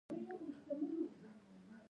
خو دا زموږ والا چې ځانونه مسلمانان ګڼي.